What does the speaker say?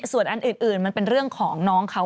ส่วนอันอื่นมันเป็นเรื่องของน้องเขา